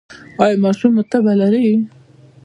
ایا ماشوم مو تبه لري؟